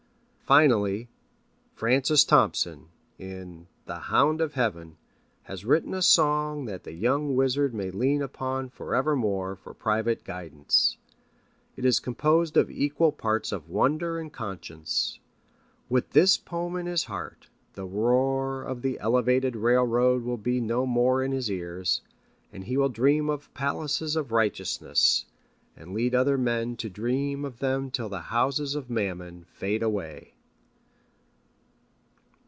Finally, Francis Thompson, in The Hound of Heaven, has written a song that the young wizard may lean upon forevermore for private guidance. It is composed of equal parts of wonder and conscience. With this poem in his heart, the roar of the elevated railroad will be no more in his ears, and he will dream of palaces of righteousness, and lead other men to dream of them till the houses of mammon fade away.